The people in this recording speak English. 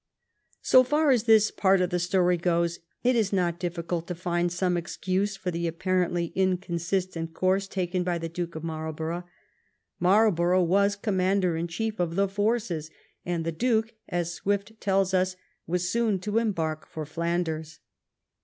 So far as this part of the story goes, it is not diffi cult to find some excuse for the apparently inconsistent course taken by the Duke of Marlborough. Marlbor ough was commander in chief of the forces, and the Duke, as Swift tells us, was soon to embark for Flan ders.